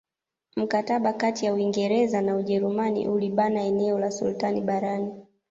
Mkataba kati ya Uingereza na Ujerumani ulibana eneo la sultani barani